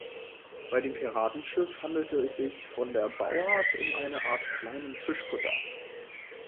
Bei dem Piratenschiff handelt es sich von der Bauart um eine Art kleinen Fischkutter.